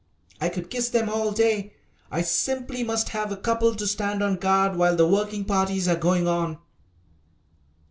I could kiss them all day. I simply must have a couple to stand on guard while the working parties are going on."